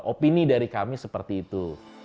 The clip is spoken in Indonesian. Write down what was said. opini dari kami seperti itu